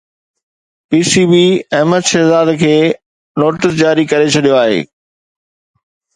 P C B Ahmad Shahzad کي show cause notice جاري ڪري ڇڏيو آهي